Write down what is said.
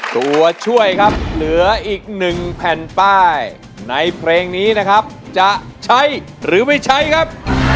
ตัวช่วยครับเหลืออีกหนึ่งแผ่นป้ายในเพลงนี้นะครับจะใช้หรือไม่ใช้ครับ